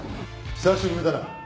久しぶりだな。